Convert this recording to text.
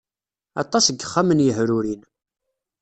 Aṭas n yexxamen yehrurin.